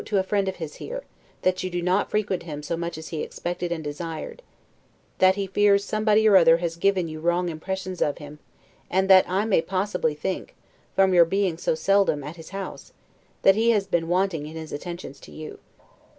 } to a friend of his here, that you do not frequent him so much as he expected and desired; that he fears somebody or other has given you wrong impressions of him; and that I may possibly think, from your being seldom at his house, that he has been wanting in his attentions to you.